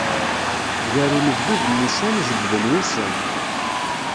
Gar unebdu d nnisan jebbden wussan.